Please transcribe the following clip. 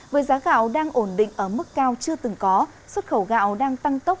với giá gạo đang ổn định ở mức cao chưa từng có xuất khẩu gạo đang tăng tốc